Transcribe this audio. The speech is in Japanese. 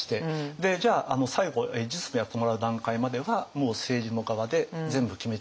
でじゃあ最後実務やってもらう段階まではもう政治の側で全部決め